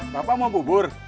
bapak mau bubur